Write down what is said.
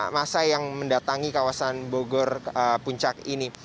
masa yang mendatangi kawasan bogor puncak ini